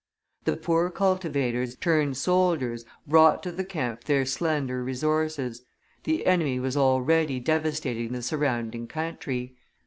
The poor cultivators, turned soldiers, brought to the camp their slender resources; the enemy was already devastating the surrounding country.